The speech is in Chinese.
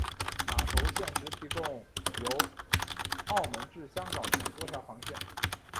码头现时提供由澳门至香港等多条航线。